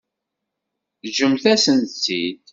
Ǧǧemt-asent-tt-id.